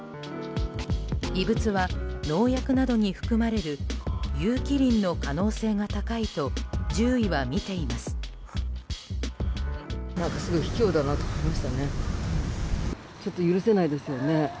異物は農薬などに含まれる有機リンの可能性が高いと獣医はみています。